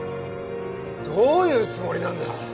どういうつもりなんだ？